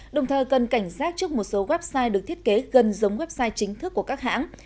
đồng thời cần cảnh giác trước một số website được thiết kế gần giống website chính thức của các hãng